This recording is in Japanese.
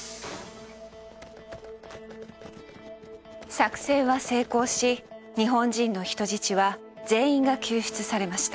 作戦は成功し日本人の人質は全員が救出されました。